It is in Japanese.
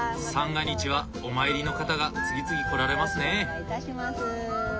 三が日はお参りの方が次々来られますね。